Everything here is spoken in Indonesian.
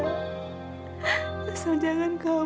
kesel jangan terlalu